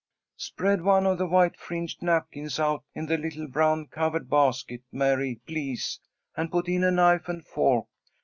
"Spread one of the white fringed napkins out in the little brown covered basket, Mary, please, and put in a knife and fork.